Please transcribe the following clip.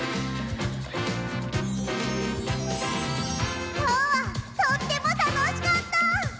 きょうはとってもたのしかった！